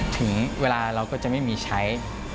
ถึงเวลาเราก็จะไม่มีใช้